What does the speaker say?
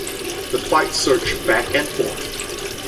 The fight surged back and forth.